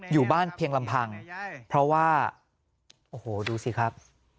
อยู่บ้านเพียงลำพังเพราะว่าโอ้โหดูสิครับ